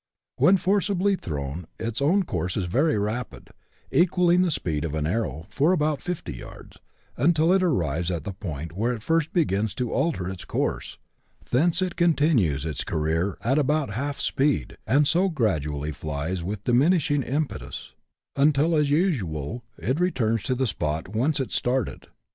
When forcibly thrown, its course is very rapid, equalling the speed of an arrow for about 50 yards, until it arrives at the point where it first begins to alter its course ; thence it continues its career at about half speed, and so gradually flies with dimi nishing impetus, until, as usual, it returns to the spot whence it started.